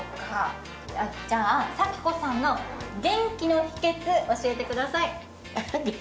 じゃあ、佐喜子さんの元気の秘けつ、教えてください。